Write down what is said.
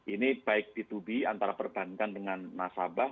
ini baik ditubi antara perbankan dengan nasabah